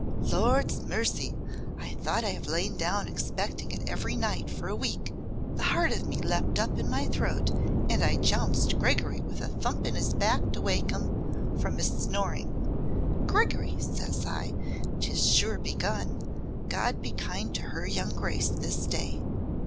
"Lord's mercy! though I have lain down expecting it every night for a week, the heart of me leapt up in my throat and I jounced Gregory with a thump in his back to wake him from his snoring. 'Gregory,' cries I, ''tis sure begun. God be kind to her young Grace this day.